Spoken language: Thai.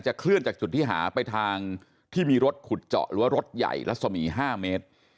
เคลื่อนจากจุดที่หาไปทางที่มีรถขุดเจาะหรือว่ารถใหญ่รัศมี๕เมตร